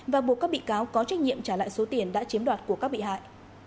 và buộc các bị cáo có trách nhiệm trả lại số tiền đã chiếm đoạt của các bị hại